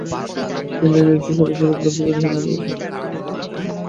তিনি লিডসের সর্বত্র ক্লাব ক্রিকেটে সফলতা পেয়েছেন।